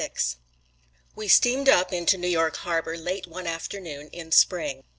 VI We steamed up into New York Harbor late one afternoon in spring.